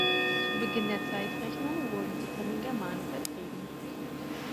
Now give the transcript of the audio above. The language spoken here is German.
Zu Beginn der Zeitrechnung wurden sie von den Germanen vertrieben.